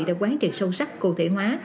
đã quán trị sâu sắc cụ thể hóa